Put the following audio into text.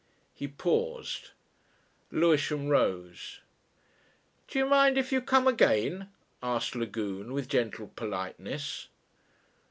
He paused. Lewisham rose. "Do you mind if you come again?" asked Lagune with gentle politeness.